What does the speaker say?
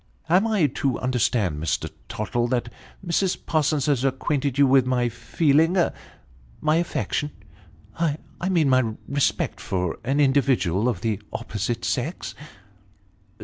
" Am I to understand, Mr. Tottle, that Mrs. Parsons has acquainted you with my feeling my affection I mean my respect, for an individual of the opposite sex